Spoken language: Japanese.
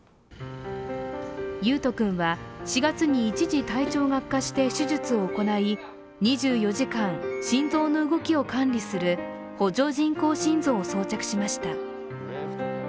維斗君は４月に一時体調が悪化して手術を行い２４時間心臓の動きを管理する補助人工心臓を装着しました。